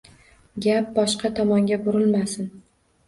Gap boshqa tomonga burilmasin.